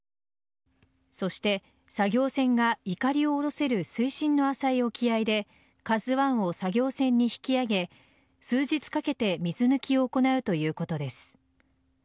そして作業船がいかりを下ろせる水深の浅い沖合で「ＫＡＺＵ１」を作業船に引き揚げ数日かけて水抜きを行うということです。